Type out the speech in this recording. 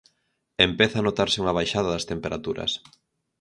Empeza a notarse unha baixada das temperaturas.